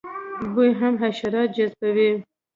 بوی هم حشرات جذبوي